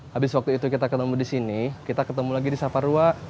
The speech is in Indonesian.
habis waktu itu kita ketemu disini kita ketemu lagi di safarua